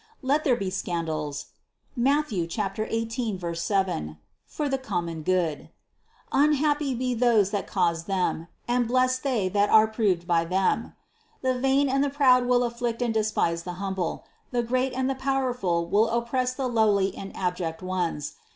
Let there be scandals (Matth. 18, 7) for the common good; unhappy be those that cause them, and blessed they that are proved by them. The vain and the proud will afflict and despise the hum ble; the great and the powerful will oppress the lowly and abject ones.